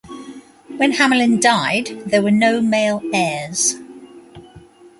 When Hamelyn died, there were no male heirs.